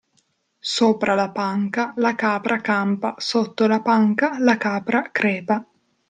Sopra la panca la capra campa sotto la panca la capra crepa.